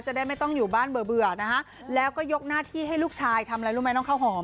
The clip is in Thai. จะได้ไม่ต้องอยู่บ้านเบื่อนะฮะแล้วก็ยกหน้าที่ให้ลูกชายทำอะไรรู้ไหมน้องข้าวหอม